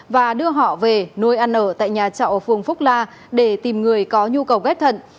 và đưa họ về nuôi ăn ở tại nhà trọ ở phường phúc la để tìm người có nhu cầu ghép thận